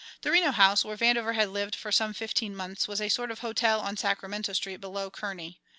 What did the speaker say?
The Reno House, where Vandover had lived for some fifteen months, was a sort of hotel on Sacramento Street below Kearney.